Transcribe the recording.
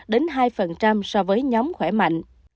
đến hai phần so với nhóm khỏe mạnh